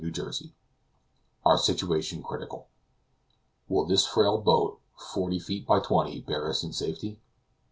CHAPTER XXX OUR SITUATION CRITICAL WILL this frail boat, forty feet by twenty, bear us in safety?